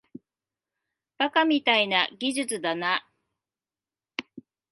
バカみたいな技術だな